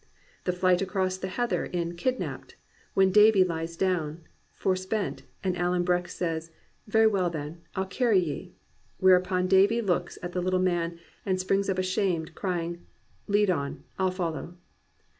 '* The flight across the heather, in Kidnappedy when Davie lies down, for spent, and Alan Breck says, "Very well then, I'll carry ye"; whereupon Davie looks at the little man and springs up ashamed, crying "Lead on, I'll follow